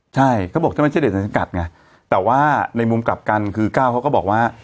ใช่เขาบอกถ้าไม่ใช่เด็กในสังกัดไงแต่ว่าในมุมกลับกันคือก้าวเขาก็บอกว่า